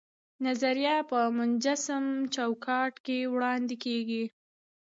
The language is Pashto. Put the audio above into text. نظریه په منسجم چوکاټ کې وړاندې کیږي.